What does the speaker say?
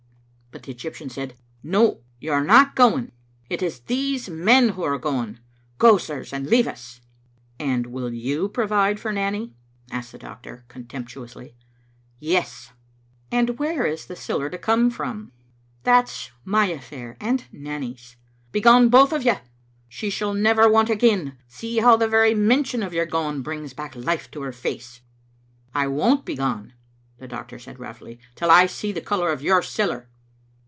But the Egyptian said, " No, you are not going. It is these men who are going. Gro, sirs, and leave us. "" And you will provide for Nanny?" asked the doctor contemptuously. "Yes.« Digitized by VjOOQ IC Vbc JEdisptian'0 Second domfttd* lis And where is the siller to come from?" "That is my affair, and Nanny's. Begone, both of yott. She sh^dl never want again. See how the very mention of your going brings back life to her face." " I won't begone," the doctor said roughly, "till I see the colour of your siller.